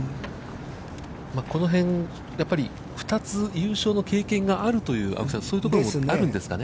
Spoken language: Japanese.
この辺、やっぱり２つ優勝の経験があるというそういうところもあるんですかね。